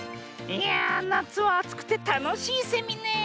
いやあなつはあつくてたのしいセミねえ。